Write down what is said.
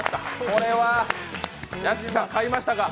これは屋敷さん、買いましたか。